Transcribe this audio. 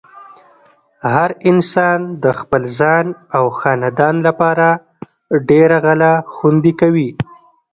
هر انسان د خپل ځان او خاندان لپاره ډېره غله خوندې کوي۔